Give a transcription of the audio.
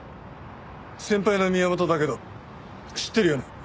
先輩の宮本だけど知ってるよね？